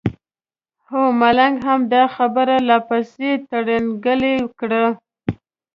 هو ملنګ هم دا خبره لا پسې ترینګلې کړه.